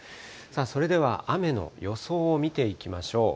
それでは雨の予想を見ていきましょう。